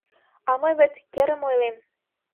А мый вет керым ойлем.